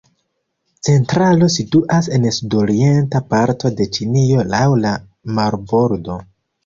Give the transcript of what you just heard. Centralo situas en sudorienta parto de Ĉinio laŭ la marbordo.